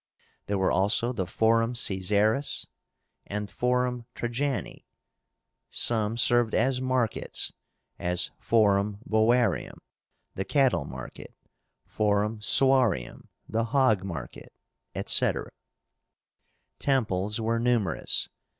There were also the Forum Caesaris and Forum Trajáni. Some served as markets; as Forum Boarium, the cattle market; Forum Suarium, the hog market, etc. Temples were numerous.